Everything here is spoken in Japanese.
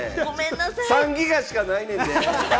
３ギガしかないねんで。